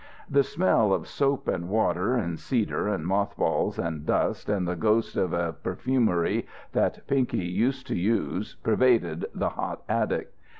The smell of soap and water, and cedar, and moth balls, and dust, and the ghost of a perfumery that Pinky used to use pervaded the hot attic.